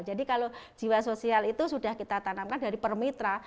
jadi kalau jiwa sosial itu sudah kita tanamkan dari per mitra